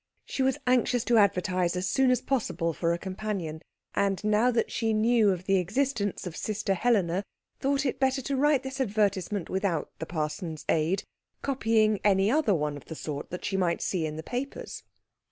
She was anxious to advertise as soon as possible for a companion, and now that she knew of the existence of sister Helena, thought it better to write this advertisement without the parson's aid, copying any other one of the sort that she might see in the papers.